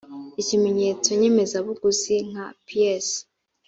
ikimenyetso nyemezabuguzi nka ps